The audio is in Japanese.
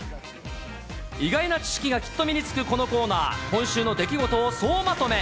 意外な知識がきっと身につくこのコーナー、今週の出来事を総まとめ。